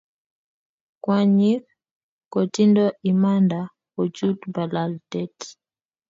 kwaknyik kotindo imanda kochut bolatet